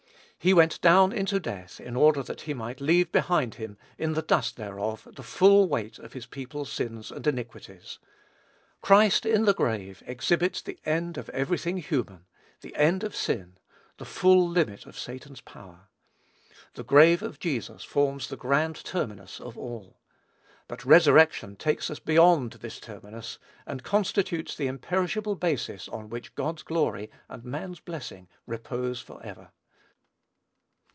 He went down into death in order that he might leave behind him in the dust thereof the full weight of his people's sins and iniquities. Christ in the grave exhibits the end of every thing human, the end of sin, the full limit of Satan's power. The grave of Jesus forms the grand terminus of all. But resurrection takes us beyond this terminus and constitutes the imperishable basis on which God's glory and man's blessing repose forever.